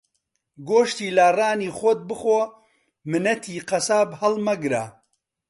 گۆشتی لاڕانی خۆت بخۆ مننەتی قەساب ھەڵمەگرە